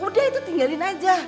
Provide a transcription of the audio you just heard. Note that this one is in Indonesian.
udah itu tinggalin aja